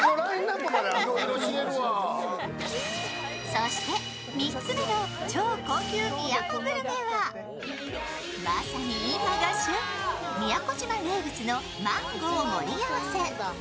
そして、３つ目の超高級宮古グルメはまさに今が旬、宮古島名物のマンゴー盛り合わせ。